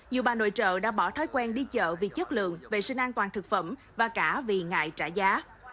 nhiều bà nội trợ đã bỏ thói quen đi chợ vì chất lượng vệ sinh an toàn thực phẩm và cả vì ngại trả giá